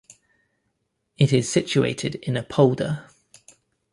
It is situated in a polder.